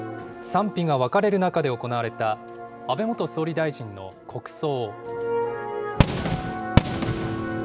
賛否が分かれる中で行われた、安倍元総理大臣の国葬。